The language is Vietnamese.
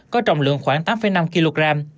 có trọng lượng khoảng tám năm kg